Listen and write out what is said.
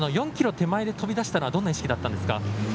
４ｋｍ手前で飛び出したのはどんな意識だったんですか？